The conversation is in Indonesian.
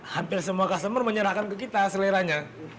hampir semua customer menyerahkan ke kita seleranya